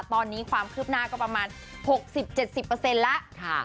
ตอนนี้ความคืบหน้าก็ประมาณหกสิบเจ็ดสิบเปอร์เซ็นต์ละค่ะ